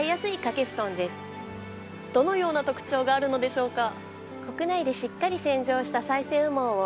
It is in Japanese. どのような特徴があるのでしょうか？